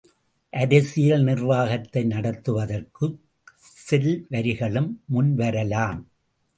அரசியல் நிர்வாகத்தை நடத்துவதற்குச் செல்வரிகளும் முன் வரலாம்.